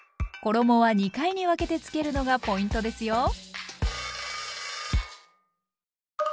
衣は２回に分けてつけるのがポイントですよ！